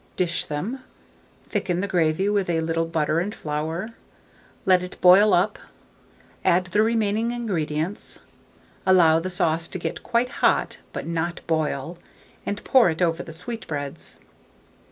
Dish them; thicken the gravy with a little butter and flour; let it boil up, add the remaining ingredients, allow the sauce to get quite hot, but not boil, and pour it over the sweetbreads.